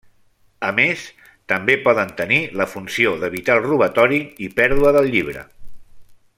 A més, també poden tenir la funció d'evitar el robatori i pèrdua del llibre.